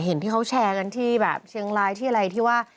เห็นที่เขาแชร์กันที่แบบเชียงรายที่อะไรที่ว่า